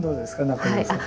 中條さん。